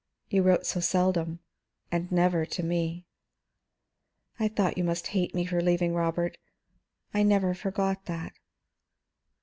You wrote so seldom, and never to me." "I thought you must hate me for leaving Robert; I never forgot that."